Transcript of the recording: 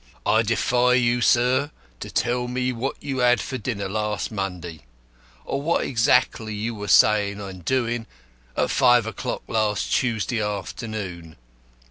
I defy you, sir, to tell me what you had for dinner last Monday, or what exactly you were saying and doing at five o'clock last Tuesday afternoon.